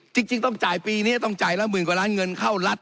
จริงต้องจ่ายปีนี้ต้องจ่ายละหมื่นกว่าล้านเงินเข้ารัฐ